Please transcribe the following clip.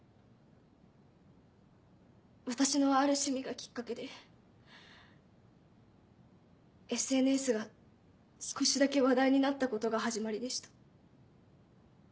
私のある趣味がきっかけでＳＮＳが少しだけ話題になったことが始まりでした。